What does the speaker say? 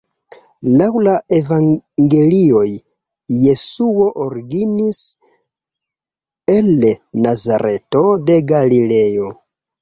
Laŭ la evangelioj, Jesuo originis el Nazareto de Galileo.